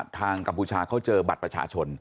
กัมพูชาเขาเจอบัตรประชาชน